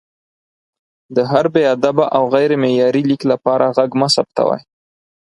د هر بې ادبه او غیر معیاري لیک لپاره غږ مه ثبتوئ!